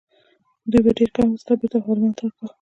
دوی به ډیر کم حاصلات بیرته غلامانو ته ورکول.